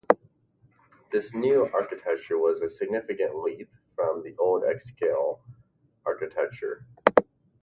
This new architecture was a significant leap from the old Xscale architecture.